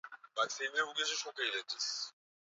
Sijui kama ni ukweli ama ni uongo.